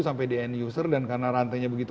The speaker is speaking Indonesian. sampai di end user dan karena rantainya begitu